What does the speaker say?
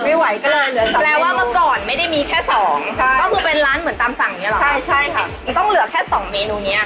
ผัดไม่ไหวก็เลยเหลือ๓เมนู